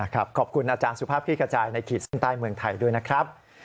ขอบคุณอาจารย์สุภาพที่กระจายในขีดเส้นใต้เมืองไทยด้วยนะครับ